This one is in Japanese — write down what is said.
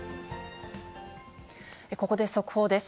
ここで速報です。